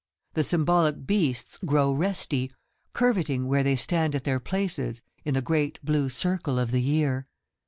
The symbolic beasts grow resty, curvetting where they stand at their places in the great blue circle of the year.